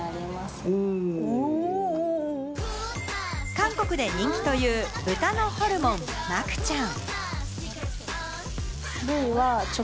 韓国で人気という豚のホルモン、マクチャン。